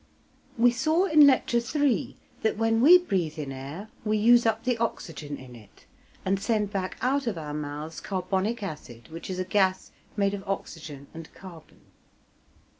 We saw in Lecture III. that when we breathe in air, we use up the oxygen in it and send back out of our mouths carbonic acid, which is a gas made of oxygen and carbon.